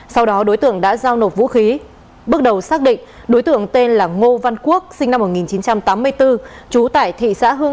sau đó đối tượng đã giao nộp vũ khí bước đầu xác định đối tượng tên là ngô văn quốc sinh năm một nghìn chín trăm tám mươi bốn